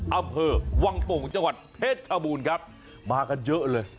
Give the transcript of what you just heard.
อำเภอวังโป่งจังหวัดเพชรชบูรณ์ครับมากันเยอะเลย